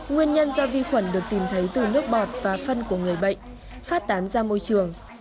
nguyên nhân do vi khuẩn được tìm thấy từ nước bọt và phân của người bệnh phát tán ra môi trường